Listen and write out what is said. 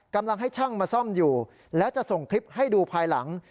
กำลังให้ช่างมาซ่อมอยู่แล้วจะส่งคลิปให้ดูภายหลัง